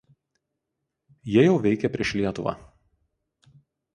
Jie jau veikė prieš Lietuvą.